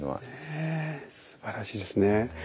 ねえすばらしいですね。